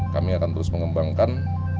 kami akan terus mengembangkan